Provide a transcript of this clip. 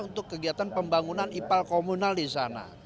untuk kegiatan pembangunan ipal komunal di sana